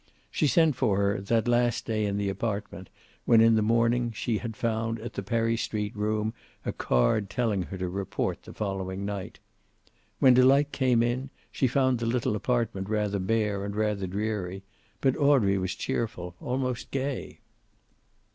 She sent for her that last day in the apartment, when in the morning she had found at the Perry Street room a card telling her to report the following night. When Delight came in she found the little apartment rather bare and rather dreary, but Audrey was cheerful, almost gay.